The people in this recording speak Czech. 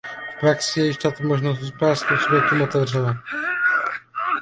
V praxi je již tato možnost hospodářským subjektům otevřena.